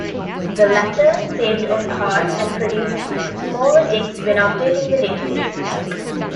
The latter saved on cards and produced smaller decks when updating the databases.